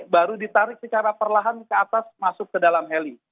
baru ditarik secara perlahan ke atas masuk ke dalam heli